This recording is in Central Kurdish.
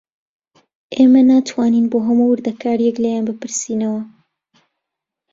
ئێمە ناتوانین بۆ هەموو وردەکارییەک لێیان بپرسینەوە